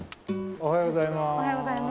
おはようございます。